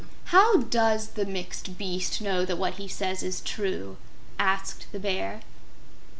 "How does the Mixed Beast know that what he says is true?" asked the Bear.